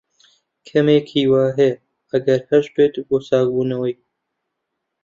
کەمێک ھیوا ھەیە، ئەگەر ھەشبێت، بۆ چاکبوونەوەی.